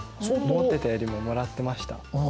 思っていたよりももらってました。